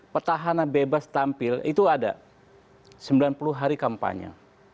petahana bebas tampil itu ada sembilan puluh hari kampanye